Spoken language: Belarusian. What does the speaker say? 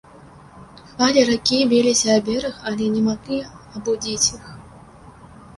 Хвалі ракі біліся аб бераг, але не маглі абудзіць іх.